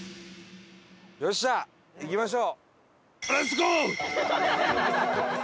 よっしゃ！いきましょう。